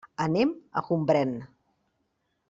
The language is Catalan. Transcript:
Anem a Gombrèn.